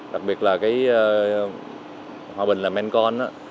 đặc biệt là cái hòa bình là main con